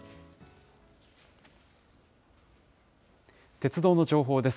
鉄道の情報です。